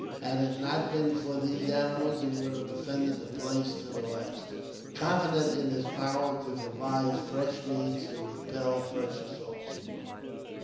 Had it not been for these animals, he would have defended the place to the last, confident in his power to devise fresh means to repel fresh assaults.